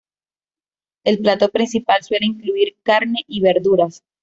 El plato principal suele incluir carne y verduras.